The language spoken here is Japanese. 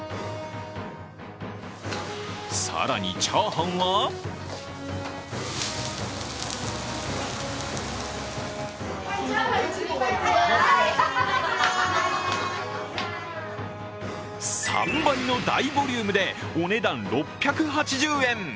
更に、チャーハンは３倍の大ボリュームでお値段６８０円。